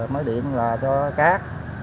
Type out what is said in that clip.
mới điện cho cát